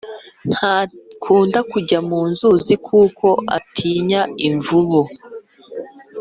ntakunda kujya munzuzi kuko atinya imvubu